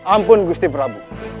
ampun gusti prabu